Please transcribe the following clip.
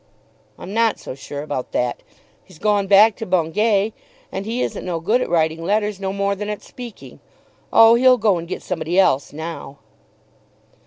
"I'm not so sure about that. He's gone back to Bungay, and he isn't no good at writing letters no more than at speaking. Oh, he'll go and get somebody else now."